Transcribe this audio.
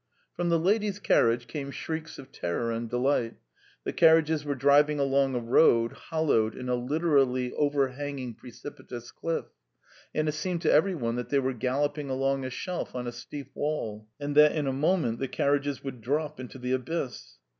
From the ladies' carriage came shrieks of terror and delight. The carriages were driving along a road hollowed in a literally overhanging precipitous cliff, and it seemed to every one that they were galloping along a shelf on a steep wall, and that in a moment the carriages would drop into the abyss.